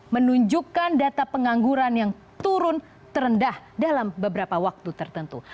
menunjukkan data pengangguran yang turun terendah dalam beberapa waktu tertentu